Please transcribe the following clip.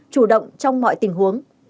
chủ động trong mọi tình huống